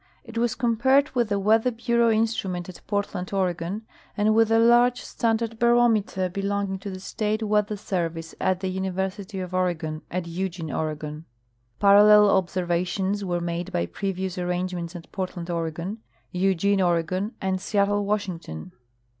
It AA^as compared Avith the 'Weather Bureau instrument at Portland, Oregon, and Avith the large standard barometer belonging to the State Weather Service at the University of Oregon, at Eugene, Oregon. Parallel ol)ser Auitions Avere made by previous arrangement at Portland, Oregon, Eugene, Oregon, and Seattle, M''ashington.